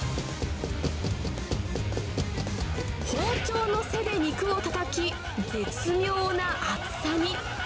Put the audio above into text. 包丁の背で肉をたたき、絶妙な厚さに。